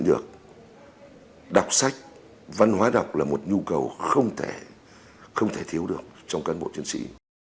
đọc sách văn hóa đọc là một nhu cầu không thể thiếu được trong cán bộ chiến sĩ